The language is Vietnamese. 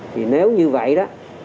thì nếu như vậy đó